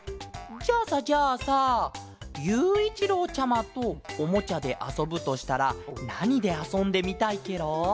じゃあさじゃあさゆういちろうちゃまとおもちゃであそぶとしたらなにであそんでみたいケロ？